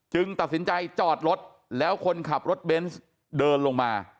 ตัดสินใจจอดรถแล้วคนขับรถเบนส์เดินลงมา